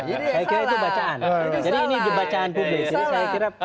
jadi ini bacaan publik